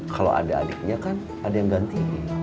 kalau ada adiknya kan ada yang ganti ini